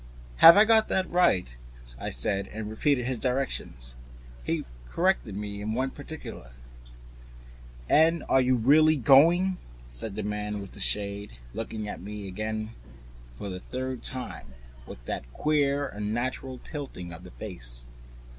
"Have I got that right?" I said, and repeated his directions. He corrected me in one particular. "And you are really going?" said the man with the shade, looking at me again for the third time with that queer, unnatural tilting of the face.